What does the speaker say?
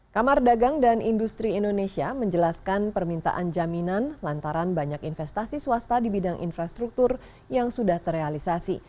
kamar dagang dan industri indonesia menjelaskan permintaan jaminan lantaran banyak investasi swasta di bidang infrastruktur yang sudah terrealisasi